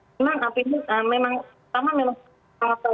ya memang apnu memang pertama memang